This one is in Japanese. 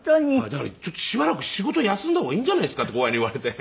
だから「ちょっとしばらく仕事休んだ方がいいんじゃないですか」って後輩に言われて。